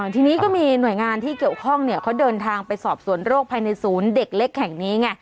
ทีนี้ก็มีหน่วยงานที่เกี่ยวข้องเขาเดินทางไปสอบสวนโรคภายในศูนย์เด็กเล็กแห่งนี้ไง